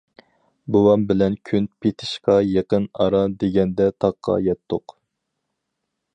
بوۋام بىلەن كۈن پېتىشقا يېقىن ئاران دېگەندە تاغقا يەتتۇق.